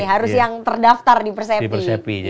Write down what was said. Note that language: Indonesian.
harus yang terdaftar di persepsi